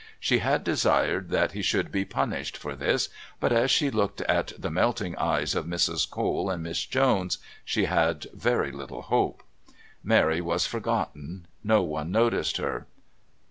She had desired that he should be punished for this, but as she looked at the melting eyes of Mrs. Cole and Miss Jones she had very little hope. Mary was forgotten; no one noticed her.